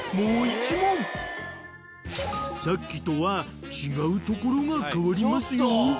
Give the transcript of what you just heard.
［さっきとは違うところが変わりますよ］